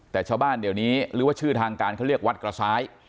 แต่ชาวบ้านเดี๋ยวนี้หรือว่าชื่อทางการเขาเรียกวัดกระซ้าย